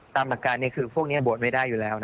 ตามหลักการคือพวกนี้บวชไม่ได้อยู่แล้ว